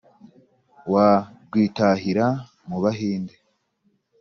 Wa rwitahira mu Bahinde,